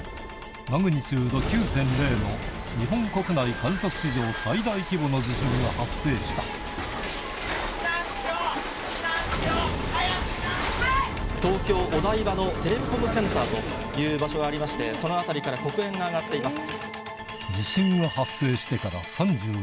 マグニチュード９．０の日本国内観測史上最大規模の地震が発生したテレコムセンターという場所がありましてその辺りから黒煙が上がっています。